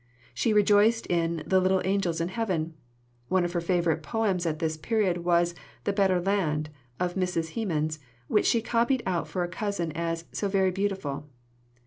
She rejoiced in "the little angels in heaven." One of her favourite poems at this period was The Better Land of Mrs. Hemans, which she copied out for a cousin as "so very beautiful."